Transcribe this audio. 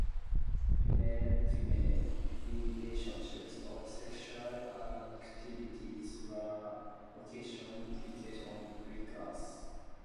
Female-female relationships or sexual activities were occasionally depicted on Greek art.